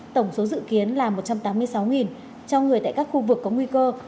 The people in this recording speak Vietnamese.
tổng số dự kiến là một trăm tám mươi sáu cho người tại các khu vực có nguy cơ